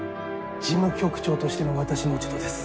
事務局長としての私の落ち度です。